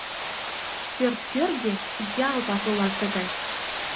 Пӧрт кӧргӧ ялтак оласе гай.